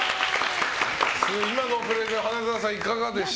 今のプレゼン花澤さん、いかがでした？